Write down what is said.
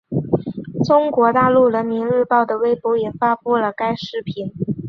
中国大陆人民日报的微博也发布了该视频。